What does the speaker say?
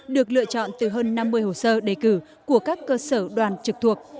được lựa chọn từ hơn năm mươi hồ sơ đề cử của các cơ sở đoàn trực thuộc